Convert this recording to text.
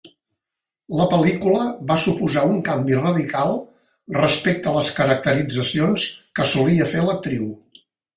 La pel·lícula va suposar un canvi radical respecte les caracteritzacions que solia fer l’actriu.